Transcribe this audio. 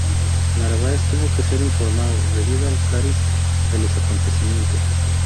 Narváez tuvo que ser informado, debido al cariz de los acontecimientos.